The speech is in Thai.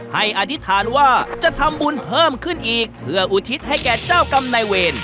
อธิษฐานว่าจะทำบุญเพิ่มขึ้นอีกเพื่ออุทิศให้แก่เจ้ากรรมนายเวร